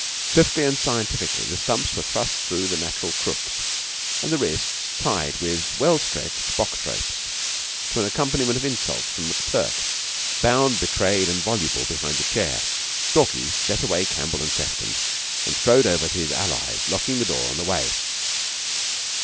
Swiftly and scientifically the stumps were thrust through the natural crooks, and the wrists tied with well stretched box ropes to an accompaniment of insults from McTurk, bound, betrayed, and voluble behind the chair. Stalky set away Campbell and Sefton, and strode over to his allies, locking the door on the way.